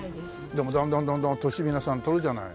でもだんだんだんだん年皆さん取るじゃない。